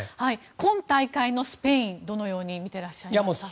今大会のスペインどのようにみていますか？